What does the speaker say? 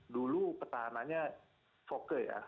dulu pertahanannya voke ya